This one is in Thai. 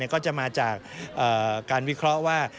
ก็จะมาจากการวิเคราะห์ว่า